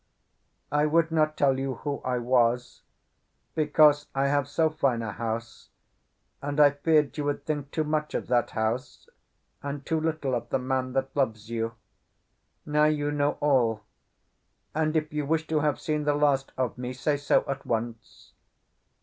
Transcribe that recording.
I would not tell you who I was, because I have so fine a house, and I feared you would think too much of that house and too little of the man that loves you. Now you know all, and if you wish to have seen the last of me, say so at once."